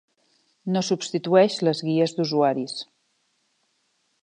No substitueix les guies d'usuaris.